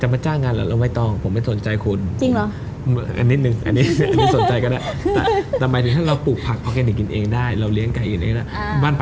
มาจ้างงานเหรอเราไม่ต้องผมไม่สนใจคุณ